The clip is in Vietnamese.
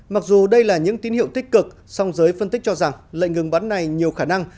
mặc dù đây là những tín hiệu tích cực song giới phân tích cho rằng lệnh ngừng bắn này nhiều khả năng